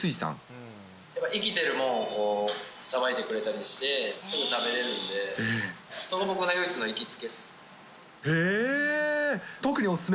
生きてるものを、さばいてくれたりして、すぐ食べれるので、そこで唯一の行きつけです。